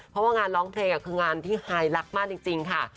เพราะว่างานร้องเพลงคืองานที่ไฮรักมากจริงค่ะ